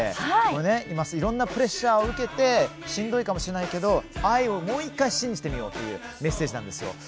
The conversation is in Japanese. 今、いろんなプレッシャーを受けてしんどいかもしれないけれども愛をもう一度信じてみようというメッセージです。